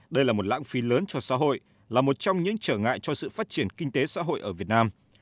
đây là một lãng phí lớn cho xã hội là một trong những trở ngại cho sự phát triển kinh tế xã hội ở việt nam